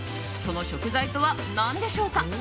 その食材とは何でしょうか。